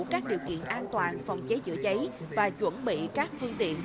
các điều kiện an toàn phòng cháy chữa cháy và chuẩn bị các phương tiện